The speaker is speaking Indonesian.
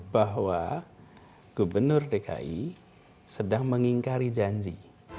bahwa gubernur dki sedang mengingkari janji